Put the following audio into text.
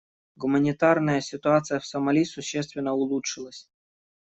Гуманитарная ситуация в Сомали существенно улучшилась.